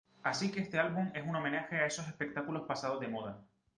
Así que este álbum es un homenaje a esos espectáculos pasados de moda.